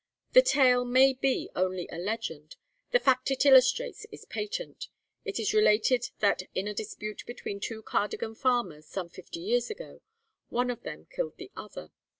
The tale may be only a legend; the fact it illustrates is patent. It is related that in a dispute between two Cardigan farmers, some fifty years ago, one of them killed the other.